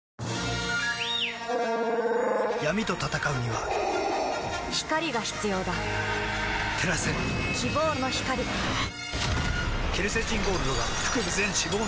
闇と闘うには光が必要だ照らせ希望の光あっ！！